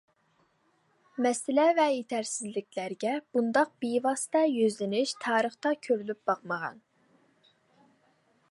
مەسىلە ۋە يېتەرسىزلىكلەرگە بۇنداق بىۋاسىتە يۈزلىنىش تارىختا كۆرۈلۈپ باقمىغان.